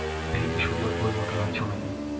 দেখো কি সুন্দর পরীর মত লাগছে উনাকে।